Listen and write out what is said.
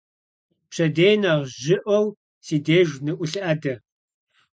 Пщэдей нэхъ жьыӀуэу си деж ныӀулъадэ.